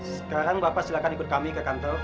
sekarang bapak silahkan ikut kami ke kantor